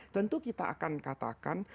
tentu kita akan katakan